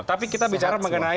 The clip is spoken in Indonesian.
tapi kita bicara mengenai